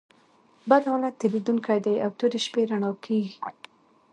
بد حالت تېرېدونکى دئ او توري شپې رؤڼا کېږي.